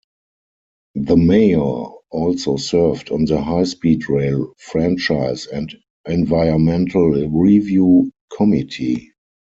The Mayor also served on the High Speed Rail Franchise and Environmental Review Committee.